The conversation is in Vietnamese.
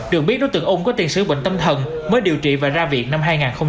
được biết đối tượng ung có tiền sử bệnh tâm thần mới điều trị và ra viện năm hai nghìn một mươi